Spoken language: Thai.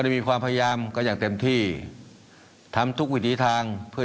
มีความพยายามก็อย่างเต็มที่ทำทุกวิถีทางเพื่อ